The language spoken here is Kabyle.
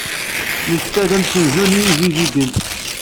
Netta d amsenzu n yijejjigen.